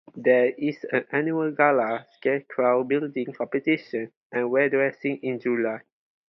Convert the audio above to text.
There is an annual gala, scarecrow building competition and well dressing in July.